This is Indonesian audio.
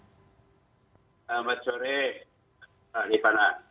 selamat sore pak nipana